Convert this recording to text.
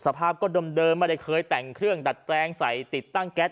สภาพก็เดิมไม่ได้เคยแต่งเครื่องดัดแปลงใส่ติดตั้งแก๊ส